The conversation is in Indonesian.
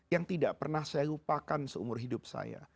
yang tidak pernah saya lupakan seumur hidup saya